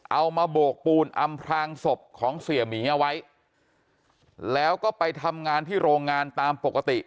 มาโบกปูนอำพลางศพของเสียหมีเอาไว้แล้วก็ไปทำงานที่โรงงานตามปกติ